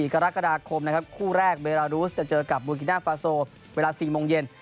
กรกฎาคมนะครับคู่แรกเบรารูสจะเจอกับบูกิน่าฟาโซเวลา๔โมงเย็น